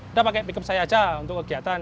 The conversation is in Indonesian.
udah pakai pickup saya aja untuk kegiatan